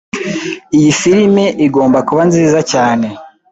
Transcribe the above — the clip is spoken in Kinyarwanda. Iyi firime igomba kuba nziza cyane.